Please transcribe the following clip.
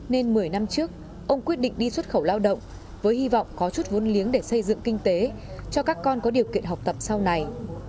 nên một mươi năm trước ông quyết định đi xuất khẩu lao động với hy vọng có chút vốn liếng để xây dựng kinh tế cho các con có điều kiện học tập sau này